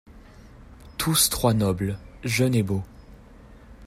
Tous trois nobles, jeunes et beaux.